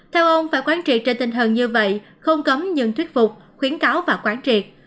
theo ông phải quán triệt trên tình hình như vậy không cấm những thuyết phục khuyến cáo và quán triệt